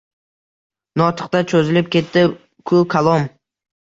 Notiqda cho‘zilib ketdi-ku kalom.